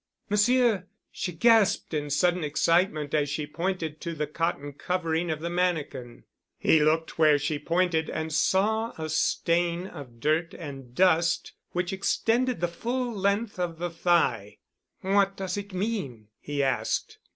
"Monsieur!" she gasped in sudden excitement as she pointed to the cotton covering of the mannikin. He looked where she pointed and saw a stain of dirt and dust which extended the full length of the thigh. "What does it mean?" he asked.